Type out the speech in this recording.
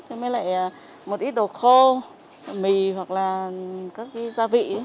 thế mới lại một ít đồ khô mì hoặc là các cái gia vị